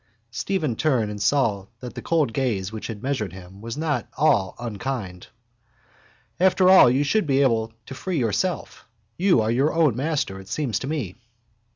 Stephen turned and saw that the cold gaze which had measured him was not all unkind. —After all, I should think you are able to free yourself. You are your own master, it seems to me.